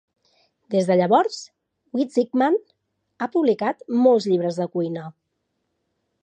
Des de llavors, Witzigmann ha publicat molts llibres de cuina.